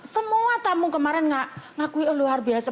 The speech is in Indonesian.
semua tamu kemarin ngakui luar biasa